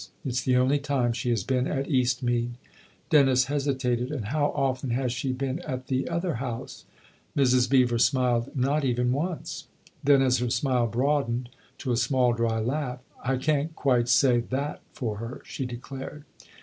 It's the only time she has been at Eastmead." Dennis hesitated. " And how often has she been at the other house ?" Mrs. Beever smiled. " Not even once." Then as her smile broadened to a small, dry laugh, " I can quite say that for her !" she declared.